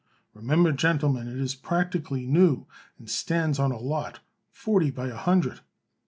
Remember, gentlemen, it is practically new and stands on a lot forty by a hundred."